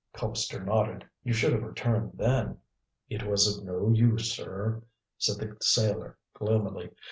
Colpster nodded. "You should have returned then." "It was of no use, sir," said the sailor gloomily.